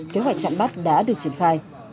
kế hoạch chặn bắt đã được triển khai